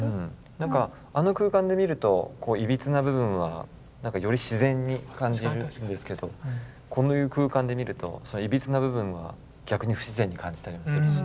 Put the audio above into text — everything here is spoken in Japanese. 何かあの空間で見るといびつな部分はより自然に感じるんですけどこういう空間で見るといびつな部分は逆に不自然に感じたりもするし。